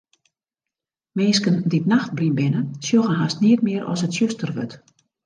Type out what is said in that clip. Minsken dy't nachtblyn binne, sjogge hast neat mear as it tsjuster wurdt.